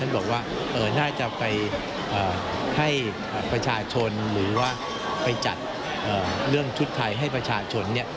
บอกว่าเอ่อน่าจะไปให้ประชาชนหรือว่าไปจัดที่ชุดไทยให้ประชาชนเนี่ย